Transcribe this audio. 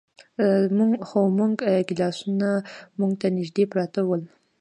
خو زموږ ګیلاسونه موږ ته نږدې پراته ول.